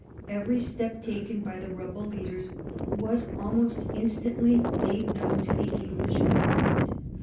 Every step taken by the rebel leaders was almost instantly made known to the English Government.